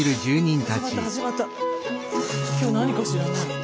今日何かしらね？